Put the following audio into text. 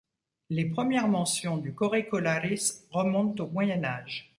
Les premières mentions du korrikolaris remontent au Moyen Âge.